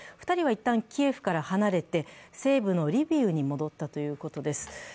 ２人はいったんキエフから離れて、西部のリビウに戻ったということです。